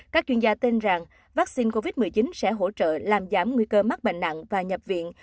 các chuyên gia tin rằng vaccine covid một mươi chín sẽ hỗ trợ làm giảm nguy cơ mắc bệnh nặng và nhập viện